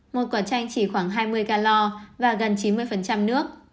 một quả chanh chỉ khoảng hai mươi galor và gần chín mươi nước